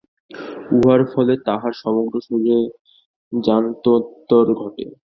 উহার ফলে তাহার সমগ্র শরীরের জাত্যন্তর ঘটে।